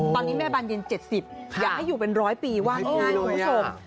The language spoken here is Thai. ตอนนี้แม่บานเย็น๗๐อยากให้อยู่เป็น๑๐๐ปีว่าง่ายคุณผู้ชม